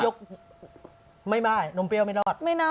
หรือบางทีหรือบางทีเห็นไหม